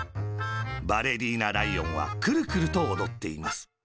バレリーナライオンは、くるくるとおどっています。